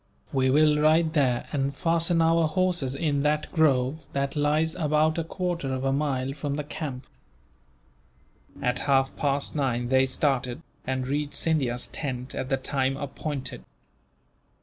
We will ride there, and fasten our horses in that grove that lies about a quarter of a mile from the camp." At half past nine they started, and reached Scindia's tent at the time appointed.